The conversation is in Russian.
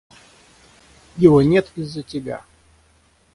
Его нет из-за тебя.